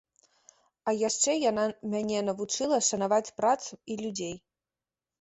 А яшчэ яна мяне навучыла шанаваць працу і людзей.